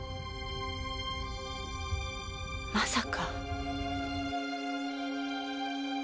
まさか。